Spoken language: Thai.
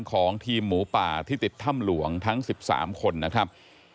ของทีมหมูป่าที่ติดถ้ำหลวงทั้ง๑๓คนนะครับ